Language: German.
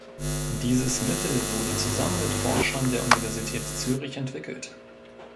Dieses Mittel wurde zusammen mit Forschern der Universität Zürich entwickelt.